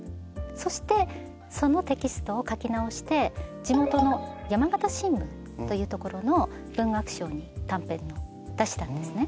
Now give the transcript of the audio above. そしてそのテキストを書き直して地元の『山形新聞』という所の文学賞に短編を出したんですね。